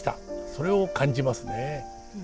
それを感じますね。